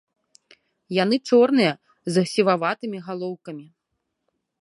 Яны чорныя з сіваватымі галоўкамі.